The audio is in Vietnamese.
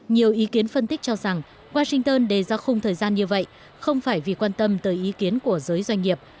nhiều ý kiến phân tích cho rằng washington đề ra khung thời gian như vậy không phải vì quan tâm tới ý kiến của giới doanh nghiệp